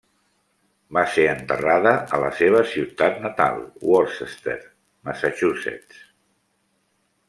Va ser enterrada a la seva ciutat natal, Worcester, Massachusetts.